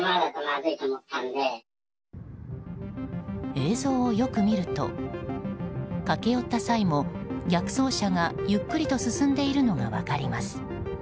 映像をよく見ると駆け寄った際も逆走車がゆっくりと進んでいるのが分かります。